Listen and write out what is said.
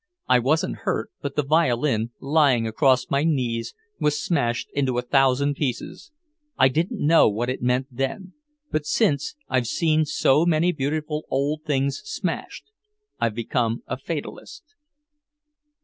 I wasn't hurt, but the violin, lying across my knees, was smashed into a thousand pieces. I didn't know what it meant then; but since, I've seen so many beautiful old things smashed... I've become a fatalist."